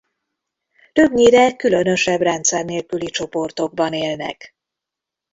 Többnyire különösebb rendszer nélküli csoportokban élnek.